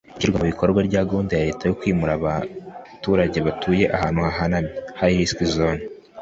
Ishyirwa mu bikorwa rya gahunda ya Leta yo kwimura abaturage batuye ahantu hahanamye (High risk zone)